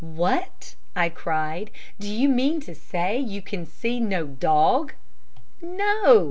"What!" I cried, "do you mean to say you can see no dog?" "No!"